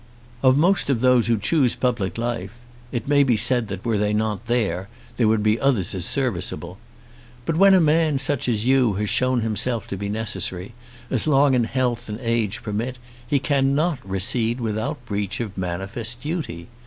Of most of those who choose public life, it may be said that were they not there, there would be others as serviceable. But when a man such as you has shown himself to be necessary, as long as health and age permit he cannot recede without breach of manifest duty.